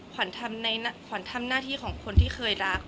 ขวัญทำหน้าที่ของคนที่เคยรัก